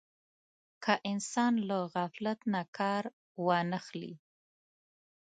که انسان له غفلت نه کار وانه خلي.